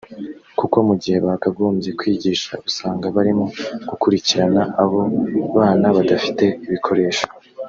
kuko mu gihe bakagombye kwigisha usanga barimo gukurikirana abo bana badafite ibikoresho